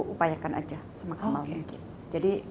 upayakan aja semaksimal mungkin